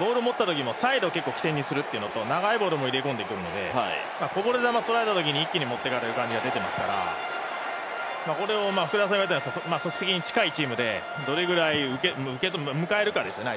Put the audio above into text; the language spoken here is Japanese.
ボールを持ったときにもサイドを起点にするところと、長いボールも入れ込んでくるのでこぼれ球とられたときに一気に持ってかれる感じが出てますからこれを即席に近いチームでどれぐらい迎えるかですよね